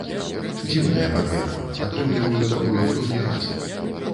Дзіўная папера, атрымліваю такую другі раз.